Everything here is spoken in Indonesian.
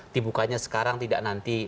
dibukanya sekarang tidak nanti